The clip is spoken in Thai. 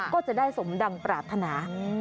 ก็จะได้สมดังปรารถนา